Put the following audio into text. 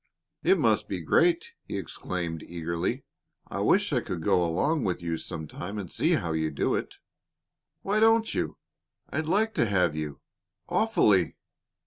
"It must be great!" he exclaimed eagerly. "I wish I could go along with you some time and see how you do it." "Why don't you? I'd like to have you awfully."